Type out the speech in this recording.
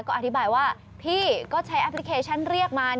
ก็อธิบายว่าพี่ก็ใช้แอปพลิเคชันเรียกมา